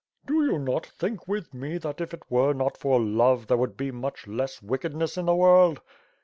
"Do you not think with me that if it were not for love, there would be much less wickedness in the. world?"